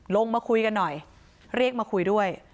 ลงมาคุยกันหน่อยเรียกมาคุยด้วย